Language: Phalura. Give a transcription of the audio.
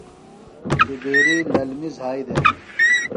زبیری للمیۡ زھائی دےۡ۔